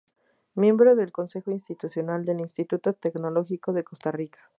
Miembro del consejo Institucional del Instituto Tecnológico de Costa Rica.